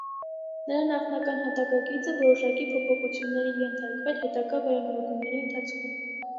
Նրա նախնական հատակագիծը որոշակի փոփոխությունների է ենթարկվել հետագա վերանորոգումների ընթացքում։